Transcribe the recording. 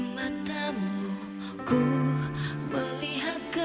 nanti gue teman lagi